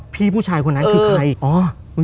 ผู้ชายคนนั้นคือใคร